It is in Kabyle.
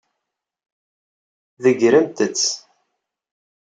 Ḍeggṛemt-tt.